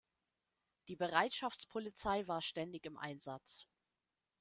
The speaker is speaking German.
Die Bereitschaftspolizei war ständig im Einsatz.